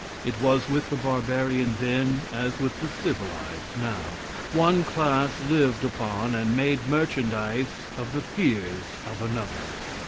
It was with the barbarian then as with the civilized now one class lived upon and made merchandise of the fears of another.